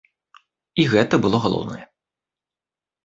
І гэта было галоўнае.